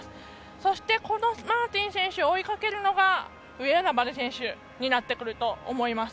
そして、このマーティン選手を追いかけるのが上与那原選手になってくると思います。